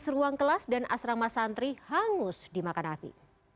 dua belas ruang kelas dan asrama santri hangus dimakan api